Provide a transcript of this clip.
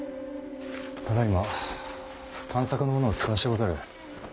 ただいま探索の者を遣わしてござる。